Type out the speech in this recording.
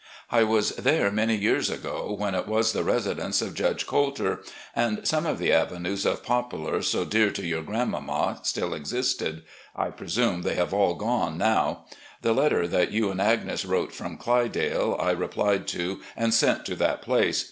I was there many years ago, when it was the residence of Judge Coulter, and some of the avenues of poplar, so dear to your grandmama, still existed. I presume they have aU gone now. The letter that you and Agnes wrote from 'Clydale' I replied to and sent to that place.